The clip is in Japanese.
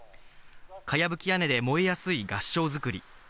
かやぶき屋根で燃えやすい合掌造り。